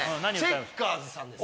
チェッカーズさんです